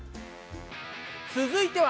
続いては。